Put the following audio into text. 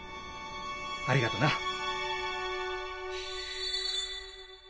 ありがとな。